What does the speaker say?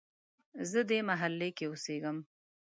زه دې محلې کې اوسیږم